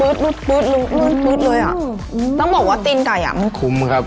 อื้มบื๊ดเลยอะต้องบอกว่าตินไก่คุมครับ